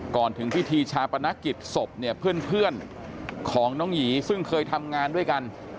ก่อนถึงพิธีชาปนกิจศพเนี่ยเพื่อนของน้องหยีซึ่งเคยทำงานด้วยกัน